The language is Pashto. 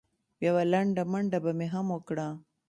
یوه لنډه منډه به مې هم وکړه.